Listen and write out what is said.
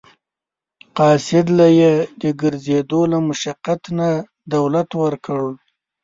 قاصد له یې د ګرځېدو له مشقت نه دولت ورکړ.